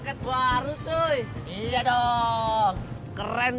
mai belum bisa jawab sekarang